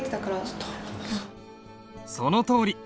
そのとおり。